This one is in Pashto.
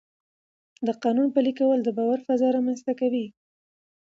د قانون پلي کول د باور فضا رامنځته کوي